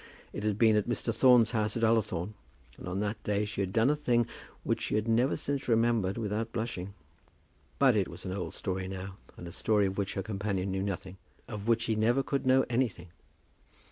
It had been at Mr. Thorne's house at Ullathorne, and on that day she had done a thing which she had never since remembered without blushing. But it was an old story now, and a story of which her companion knew nothing, of which he never could know anything.